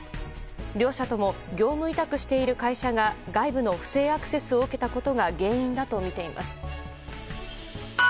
両社とも業務委託している会社が外部の不正アクセスを受けたことが原因だとみています。